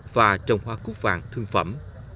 và trồng hoa cúc vàng thương phẩm